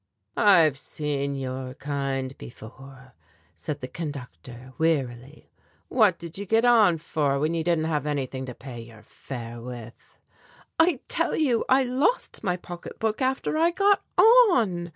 "I've seen your kind before," said the conductor wearily; "what did you get on for when you didn't have anything to pay your fare with?" "I tell you I lost my pocket book after I got on!"